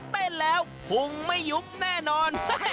เต้นแล้วพุงไม่ยุบแน่นอน